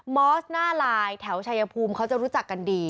อสหน้าลายแถวชายภูมิเขาจะรู้จักกันดี